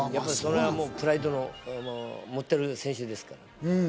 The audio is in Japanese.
やっぱそれはプライドを持っている選手ですから。